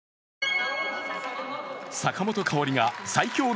坂本花織が最強